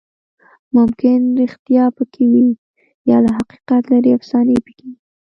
ممکن ریښتیا پکې وي، یا له حقیقت لرې افسانې پکې وي.